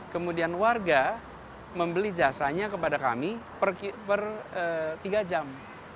kemudian warga membeli jasanya kepada kami per tiga jam